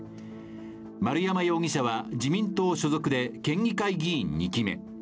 丸山容疑者は自民党所属で、県議会議員２期目。